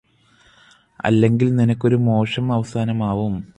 അല്ലെങ്കില് നിനക്കൊരു മോശം അവസാനമാവും